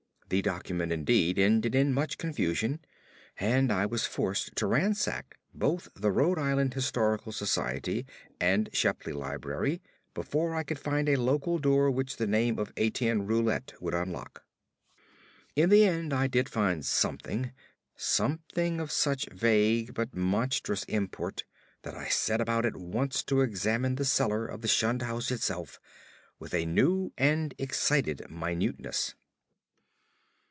The document, indeed, ended in much confusion; and I was forced to ransack both the Rhode Island Historical Society and Shepley Library before I could find a local door which the name of Etienne Roulet would unlock. In the end I did find something; something of such vague but monstrous import that I set about at once to examine the cellar of the shunned house itself with a new and excited minuteness.